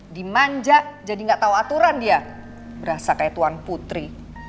dimanja jadi nggak tahu aturan dia berasa kayak tuan putri